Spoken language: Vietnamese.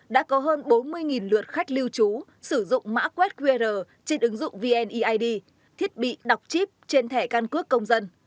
đã có hơn bốn mươi lượt khách lưu trú sử dụng mã quét qr trên ứng dụng vneid thiết bị đọc chip trên thẻ can cước công dân